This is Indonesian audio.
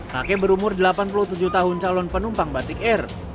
kakek berumur delapan puluh tujuh tahun calon penumpang batik air